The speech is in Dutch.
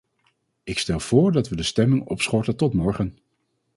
Ik stel voor dat we de stemming opschorten tot morgen.